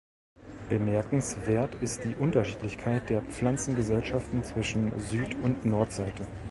Bemerkenswert ist die Unterschiedlichkeit der Pflanzengesellschaften zwischen Süd- und Nordseite.